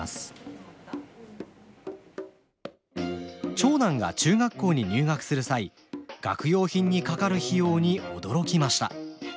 長男が中学校に入学する際学用品にかかる費用に驚きました。